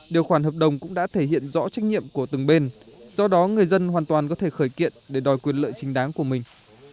điều khoản hợp đồng cũng đã thể hiện rõ trách nhiệm của từng bên do đó người dân hoàn toàn có thể khởi kiện để đòi quyền lợi chính đáng của mình